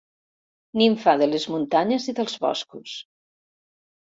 Nimfa de les muntanyes i dels boscos.